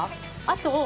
あと。